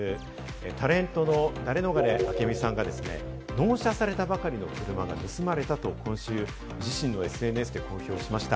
タレントのダレノガレ明美さんが、納車されたばかりの車が盗まれたと今週、自身のＳＮＳで公表しました。